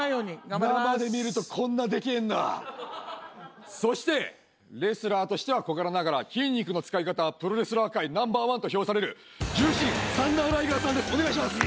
生で見るとこんなデケえんだそしてレスラーとしては小柄ながら筋肉の使い方はプロレスラー界Ｎｏ．１と評される獣神サンダー・ライガーさんですお願いします